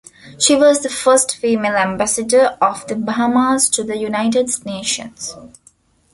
She was the first female Ambassador of The Bahamas to the United Nations.